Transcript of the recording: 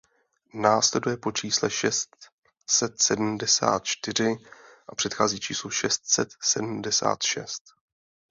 Následuje po čísle šest set sedmdesát čtyři a předchází číslu šest set sedmdesát šest.